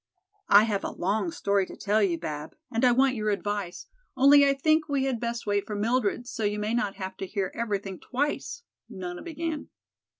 "I have a long story to tell you, Bab, and I want your advice, only I think we had best wait for Mildred, so you may not have to hear everything twice," Nona began.